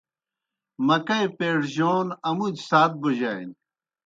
مکئی پَیڙجون آمودیْ سات بوجانیْ۔